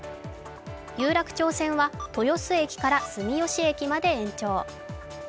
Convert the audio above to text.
有楽町線は豊洲駅から住吉駅まで延長。